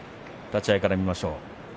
立ち合いから見ましょう。